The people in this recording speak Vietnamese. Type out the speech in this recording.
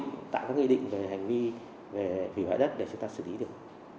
chúng ta có nghị định về hành vi hủy hoại đất để chúng ta xử lý được